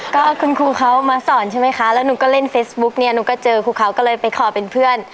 ก็คุณครูเขามาสอนใช่ไหมคะแล้วหนูก็เล่นเฟซบุ๊กเนี่ยหนูก็เจอครูเขาก็เลยไปขอเป็นเพื่อน